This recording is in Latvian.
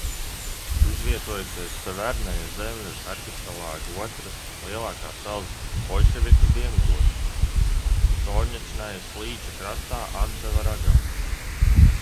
Izvietojusies Severnaja Zemļas arhipelāga otras lielākās salas Boļševikas dienvidos, Solņečnajas līča krastā Anceva ragā.